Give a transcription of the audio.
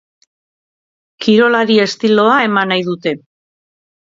Kirolari estiloa eman nahi dute.